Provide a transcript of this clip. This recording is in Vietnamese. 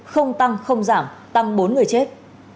không tăng không giảm tăng bốn người chết